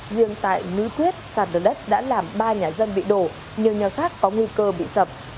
riêng tại núi thuyết sàn đờ đất đã làm ba nhà dân bị đổ nhiều nhà khác có nguy cơ bị sập